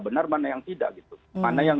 benar mana yang tidak gitu mana yang